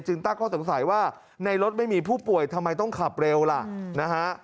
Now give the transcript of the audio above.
ตั้งข้อสงสัยว่าในรถไม่มีผู้ป่วยทำไมต้องขับเร็วล่ะนะฮะ